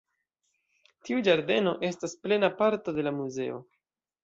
Tiu ĝardeno estas plena parto de la muzeo.